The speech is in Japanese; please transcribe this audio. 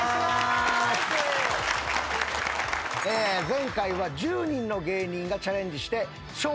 前回は１０人の芸人がチャレンジして笑